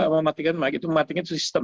maka itu mematikan sistem